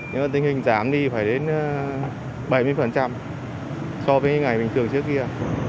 nhưng mà tình hình giảm đi phải đến bảy mươi so với ngày bình thường trước kia